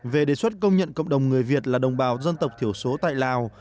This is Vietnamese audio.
về đề xuất công nhận cộng đồng người việt là đồng bào dân tộc thiểu số tại lào